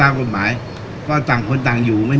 การสำรรค์ของเจ้าชอบใช่